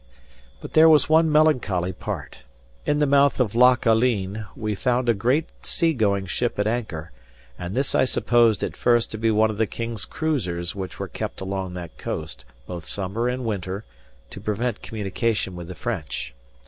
But there was one melancholy part. In the mouth of Loch Aline we found a great sea going ship at anchor; and this I supposed at first to be one of the King's cruisers which were kept along that coast, both summer and winter, to prevent communication with the French.